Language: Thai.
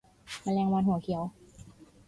แมลงวันหัวเขียว